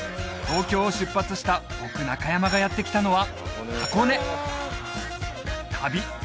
東京を出発した僕中山がやって来たのは箱根旅